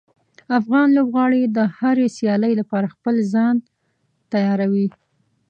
افغان لوبغاړي د هرې سیالۍ لپاره خپل ځان تیاروي.